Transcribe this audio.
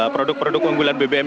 produk produk keunggulan bbm